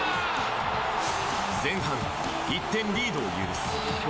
前半、１点リードを許す。